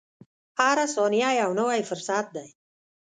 • هره ثانیه یو نوی فرصت دی.